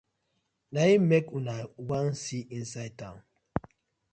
Na im mek una wan see inside town.